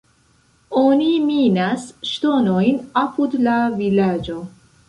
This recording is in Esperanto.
Oni minas ŝtonojn apud la vilaĝo.